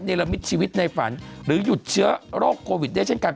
ละมิตชีวิตในฝันหรือหยุดเชื้อโรคโควิดได้เช่นกัน